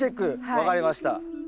分かりました。